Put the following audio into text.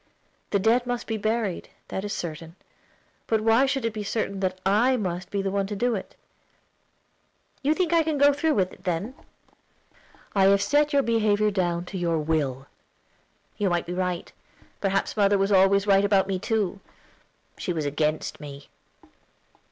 "The dead must be buried, that is certain; but why should it be certain that I must be the one to do it?" "You think I can go through with it, then?" "I have set your behavior down to your will." "You may be right. Perhaps mother was always right about me too; she was against me."